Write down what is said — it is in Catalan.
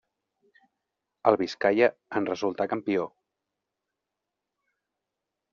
El Biscaia en resultà campió.